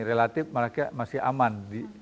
relatif makanya masih aman